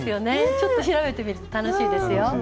ちょっと調べてみると楽しいですよ。